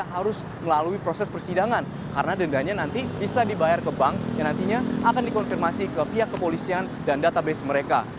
harus melalui proses persidangan karena dendanya nanti bisa dibayar ke bank yang nantinya akan dikonfirmasi ke pihak kepolisian dan database mereka